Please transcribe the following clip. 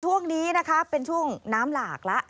ช่วงนี้นะคะเป็นช่วงน้ำหลากแล้ว